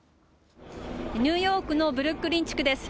ニューヨークのブルックリン地区です。